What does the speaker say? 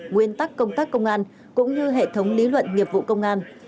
nguyên tắc công tác công an cũng như hệ thống lý luận nghiệp vụ công an